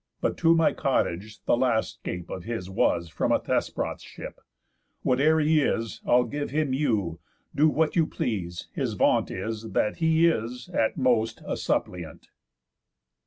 But, to my cottage, the last 'scape of his Was from a Thesprot's ship. Whate'er he is, I'll give him you, do what you please; his vaunt Is, that he is, at most, a suppliant."